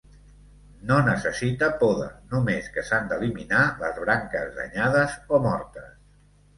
No necessita poda, només que s'han d'eliminar les branques danyades o mortes.